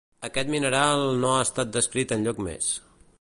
Aquest mineral no ha estat descrit enlloc més.